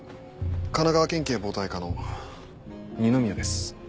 神奈川県警暴対課の二宮です。